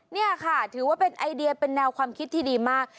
นี่ค่ะถือว่าเป็นไอเดียเป็นแนวความคิดที่ดีมาก